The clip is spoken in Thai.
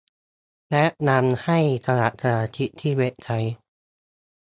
แนะนำให้สมัครสมาชิกที่เว็บไซต์